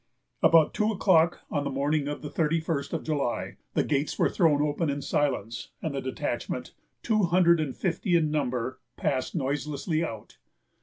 About two o'clock on the morning of the thirty first of July, the gates were thrown open in silence, and the detachment, two hundred and fifty in number, passed noiselessly out.